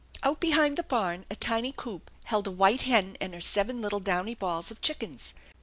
Out behind the barn a tiny coop held a white hen and her seven little downy balls of chickens.